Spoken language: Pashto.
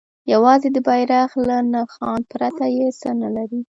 یوازې د بیرغ له نښان پرته یې څه نه لري.